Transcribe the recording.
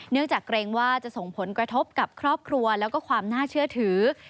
จากเกรงว่าจะส่งผลกระทบกับครอบครัวแล้วก็ความน่าเชื่อถือ